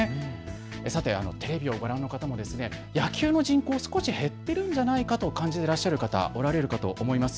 テレビをご覧の方も野球の人口、少し減ってるんじゃないかと感じていらっしゃる方おられるかと思います。